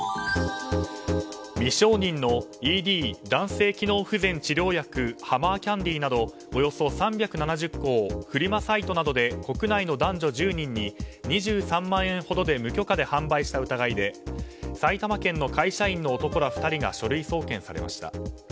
未承認のＥＤ・男性機能不全治療薬ハマーキャンディなどおよそ３７０個をフリマサイトなどで国内の男女１０人に２３万円ほどで無許可で販売した疑いで埼玉県の会社員の男ら２人が書類送検されました。